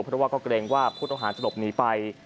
เพราะว่าก็เกรงว่าผู้ต้องหาจะหลบหนีไป